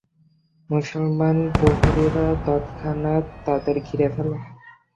মুসলমান প্রহরীরা তৎক্ষণাৎ তাদের ঘিরে ফেলে।